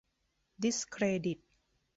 ดิสเครดิต